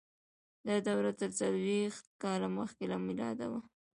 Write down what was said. دا دوره تر څلور ویشت کاله مخکې له میلاده وه.